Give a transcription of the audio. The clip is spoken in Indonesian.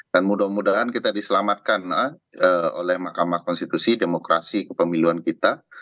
dan mudah mudahan kita diselamatkan oleh makamah konstitusi demokrasi pemiluan kita